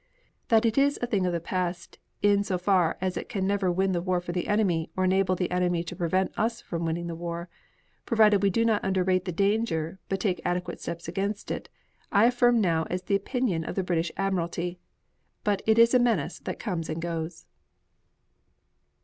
That it is a thing of the past in so far as it can never win the war for the enemy or enable the enemy to prevent us from winning the war, provided we do not underrate the danger but take adequate steps against it, I affirm now as the opinion of the British Admiralty; but it is a menace that comes and goes.